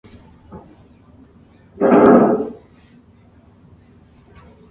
Her marriage with Marduk was celebrated annually at New Year in Babylon.